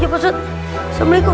ya bosan assalamualaikum